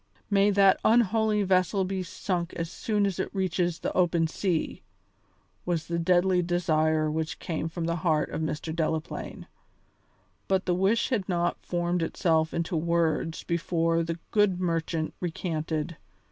"May that unholy vessel be sunk as soon as it reaches the open sea!" was the deadly desire which came from the heart of Mr. Delaplaine. But the wish had not formed itself into words before the good merchant recanted.